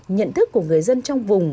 nhận thức của người dân trong vùng